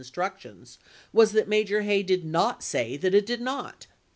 instructions was that Major Hay did not say that it did not.